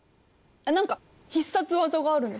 何か必殺技があるんですか？